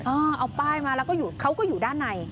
เอาป้ายมาแล้วก็อยู่เขาก็อยู่ด้านใน